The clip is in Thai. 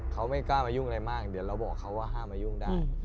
เขาไม่กล้ามายุ่งอะไรมากเดี๋ยวเราบอกเขาว่าห้ามมายุ่งได้